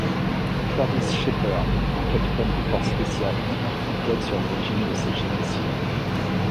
Clavis Shepherd, un capitaine des forces spéciales enquête sur l’origine de ces génocides.